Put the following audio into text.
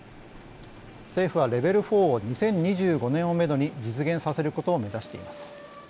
政府はレベル４を２０２５年をめどに実現させることを目指しています。